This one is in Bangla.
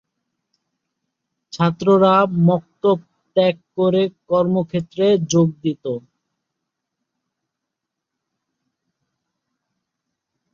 ছাত্ররা মক্তব ত্যাগ করে কর্মক্ষেত্রে যোগ দিত।